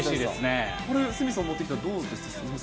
これ、鷲見さん持ってきたらどうですか？